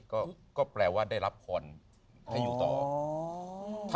ก็แปลว่าได้รับควรให้อยู่ต่อ